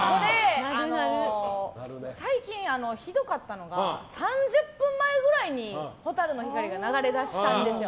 最近、ひどかったのが３０分前ぐらいに「蛍の光」が流れ出したんですよ。